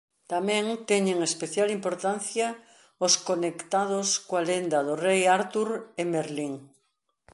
Tamén teñen especial importancia os conectados coa lenda do Rei Artur e Merlín.